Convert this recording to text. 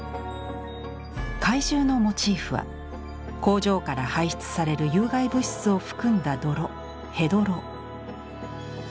怪獣のモチーフは工場から排出される有害物質を含んだ泥「ヘドロ」。